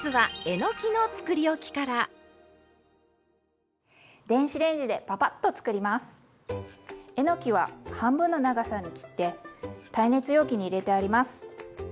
えのきは半分の長さに切って耐熱容器に入れてあります。